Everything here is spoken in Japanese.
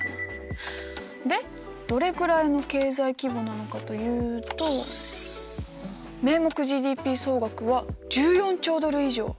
でどれくらいの経済規模なのかというと名目ＧＤＰ総額は１４兆ドル以上。